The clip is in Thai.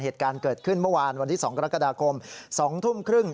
เหตุการณ์เกิดขึ้นเมื่อวานวันที่๒กรกฎาคม๒ทุ่มครึ่ง